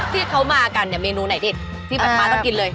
ที่เขามากันเนี่ยเมนูไหนดิที่แบบมาต้องกินเลย